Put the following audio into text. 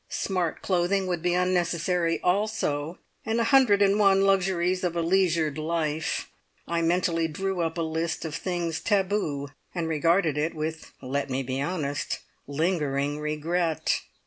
Smart clothing would be unnecessary also, and a hundred and one luxuries of a leisured life. I mentally drew up a list of things taboo, and regarded it with let me be honest lingering regret.